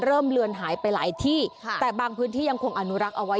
เลือนหายไปหลายที่ค่ะแต่บางพื้นที่ยังคงอนุรักษ์เอาไว้